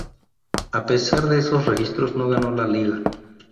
A pesar de esos registros, no ganó la liga.